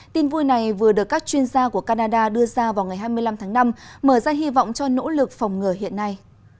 tin vui này vừa được các chuyên gia của canada đưa ra vào ngày hai mươi năm tháng năm mở ra hy vọng cho nỗ lực phòng ngừa hiện nay